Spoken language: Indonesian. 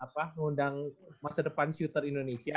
mengundang masa depan shooter indonesia